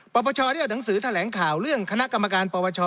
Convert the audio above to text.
ปปชได้เอาหนังสือแถลงข่าวเรื่องคณะกรรมการปปช